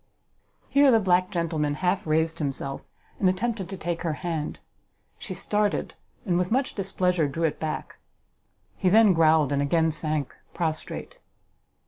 Here the black gentleman half raised himself, and attempted to take her hand. She started, and with much displeasure drew it back. He then growled, and again sank prostrate.